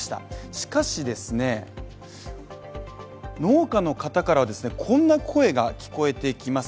しかし、農家の方からはこんな声が聞こえてきます。